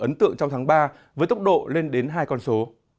ấn tượng trong tháng ba với tốc độ lên đến hai con số